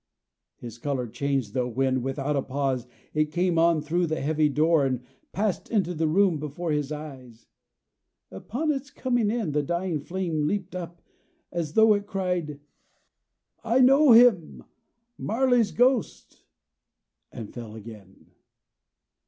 His color changed though, when, without a pause, it came on through the heavy door, and passed into the room before his eyes. Upon its coming in, the dying flame leaped up, as though it cried "I know him! Marley's ghost!" and fell again.